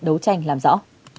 đấu tranh làm rõ